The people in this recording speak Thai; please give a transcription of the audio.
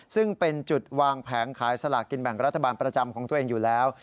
ซึ่งเป็นจุดวางแผงขายสลากินแบ่งรัฐบาลประจำของตัวเองอยู่แล้ว